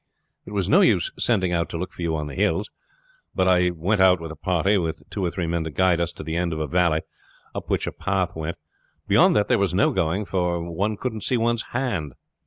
It was no use sending out to look for you on the hills. But I went out with a party, with two or three men to guide us, to the end of a valley, up which a path went; beyond that there was no going, for one couldn't see one's hand.